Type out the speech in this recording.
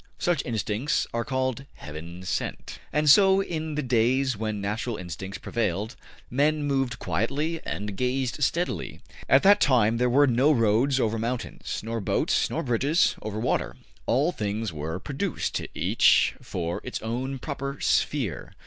Such instincts are called ``Heaven sent.'' And so in the days when natural instincts prevailed, men moved quietly and gazed steadily. At that time there were no roads over mountains, nor boats, nor bridges over water. All things were produced, each for its own proper sphere.